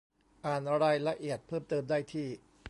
อ่านรายละเอียดเพิ่มเติมได้ที่